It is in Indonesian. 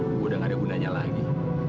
udah gak ada gunanya lagi